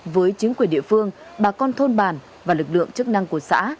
với chính quyền địa phương bà con thôn bàn và lực lượng chức năng của xã